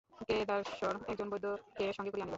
কেদারেশ্বর একজন বৈদ্যকে সঙ্গে করিয়া আনিল।